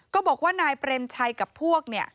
ก็บอกว่านายเปรมชัยกับพวกเนี่ย